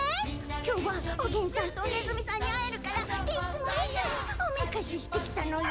今日はおげんさんとおねずみさんに会えるからいつも以上におめかししてきたのよ。